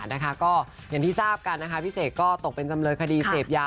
นะคะก็อย่างที่ทราบกันนะคะพี่เสกก็ตกเป็นจำเลยคดีเสพยา